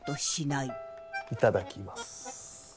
いただきます。